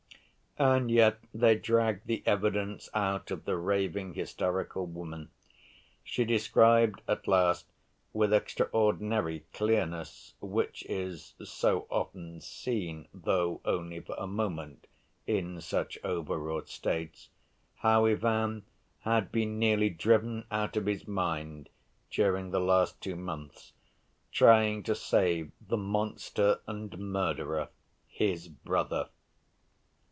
And yet they dragged the evidence out of the raving, hysterical woman. She described at last with extraordinary clearness, which is so often seen, though only for a moment, in such over‐wrought states, how Ivan had been nearly driven out of his mind during the last two months trying to save "the monster and murderer," his brother.